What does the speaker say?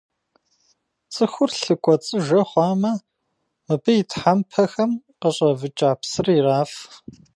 Цӏыхур лъы кӏуэцӏыжэ хъуамэ, мыбы и тхьэмпэхэм къыщӏэвыкӏа псыр ираф.